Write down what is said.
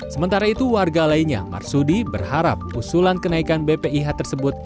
sementara itu warga lainnya marsudi berharap usulan kenaikan bpih tersebut